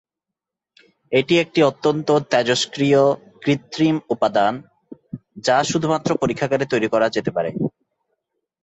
এটি একটি অত্যন্ত তেজস্ক্রিয় কৃত্রিম উপাদান যা শুধুমাত্র পরীক্ষাগারে তৈরি করা যেতে পারে।